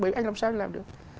bởi vì anh làm sao thì làm được